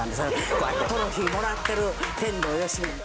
こうやってトロフィーもらってる天童よしみ。